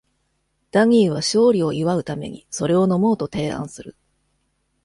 ダニーは勝利を祝うために、それを飲もうと提案する。